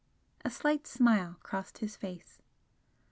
A slight smile crossed his face.